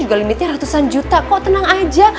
juga limitnya ratusan juta kok tenang aja